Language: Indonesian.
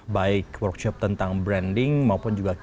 baik workshop tentang branding maupun juga